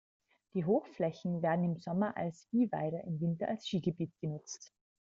Die Hochflächen werden im Sommer als Viehweide, im Winter als Skigebiet genutzt.